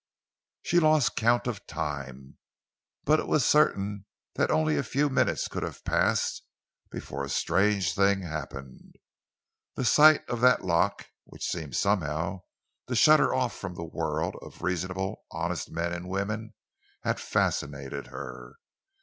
She lost count of time, but it was certain that only a few minutes could have passed before a strange thing happened. The sight of that lock, which seemed somehow to shut her off from the world of reasonable, honest men and women, had fascinated her.